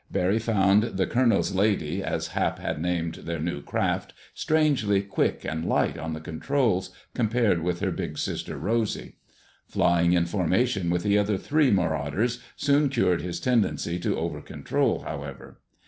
Barry found The Colonel's Lady as Hap had named their new craft, strangely quick and light on the controls, compared with her big sister Rosy. Flying in formation with the other three Marauders soon cured his tendency to over control, however.